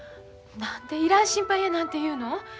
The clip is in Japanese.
何でいらん心配やなんて言うの？